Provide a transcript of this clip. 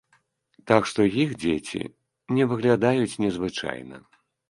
Так што іх дзеці не выглядаюць незвычайна.